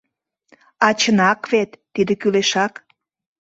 — А чынак вет, тиде кӱлешак.